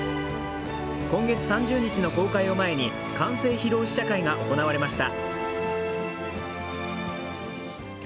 今月３０日の公開を前に完成披露試写会が行われました。